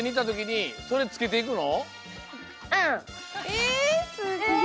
えすごい。